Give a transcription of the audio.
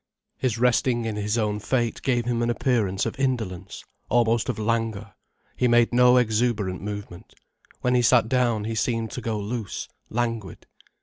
His resting in his own fate gave him an appearance of indolence, almost of languor: he made no exuberant movement. When he sat down, he seemed to go loose, languid.